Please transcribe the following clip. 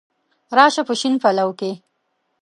را شه په شین پلو کي